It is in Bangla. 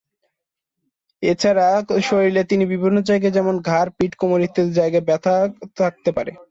এছাড়া শরীরে বিভিন্ন জায়গা যেমন ঘাড়, পিঠ, কোমর ইত্যাদি জায়গায় ব্যথা থাকতে পারে।